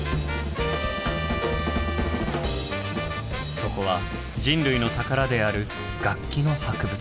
そこは人類の宝である楽器の博物館。